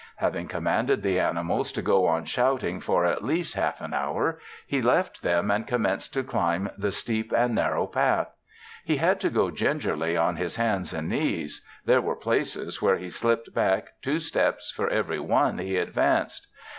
Having commanded the animals to go on shouting for at least half an hour, he left them and commenced to climb the steep and narrow path. He had to go gingerly on his hands and knees. There were places where he slipped back two steps for every one he advanced.